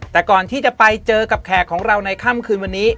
แต่ก่อนที่จะไปเจอกับแขกของเราในค่ำคืนวันนี้